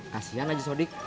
kasian aja sodi